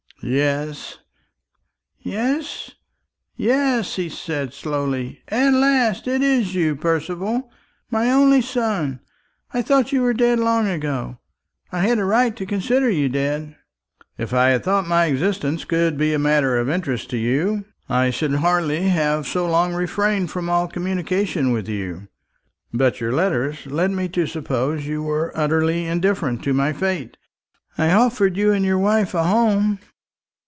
"Yes, yes, yes," he said slowly; "at last! It is you, Percival, my only son. I thought you were dead long ago. I had a right to consider you dead." "If I had thought my existence could be a matter of interest to you, I should hardly have so long refrained from all communication with you. But your letters led me to suppose you utterly indifferent to my fate." "I offered you and your wife a home."